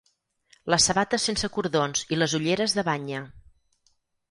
Les sabates sense cordons i les ulleres de banya.